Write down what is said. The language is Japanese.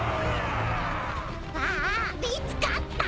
ああ見つかった！